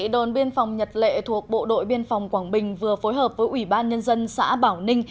đồn biên phòng nhật lệ thuộc bộ đội biên phòng quảng bình vừa phối hợp với ủy ban nhân dân xã bảo ninh